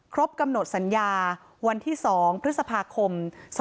กำหนดสัญญาวันที่๒พฤษภาคม๒๕๖